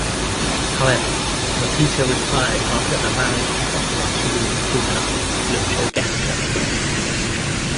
However, Mapita retired after her marriage to popular Chilean crooner Lucho Gatica.